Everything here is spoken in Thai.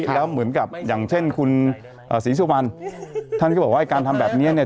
แล้วเหมือนกับอย่างเช่นคุณศรีสุวรรณท่านก็บอกว่าไอ้การทำแบบนี้เนี่ย